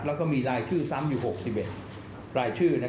แล้วก็มีรายชื่อซ้ำอยู่๖๑รายชื่อ